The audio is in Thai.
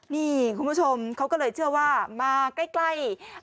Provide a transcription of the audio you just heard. นี่คุณผู้ชมเขาก็เลยเชื่อว่ามาใกล้